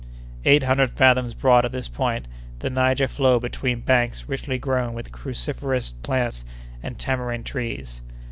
Eight hundred fathoms broad at this point, the Niger flowed between banks richly grown with cruciferous plants and tamarind trees.